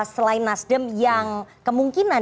selain nasdem yang kemungkinan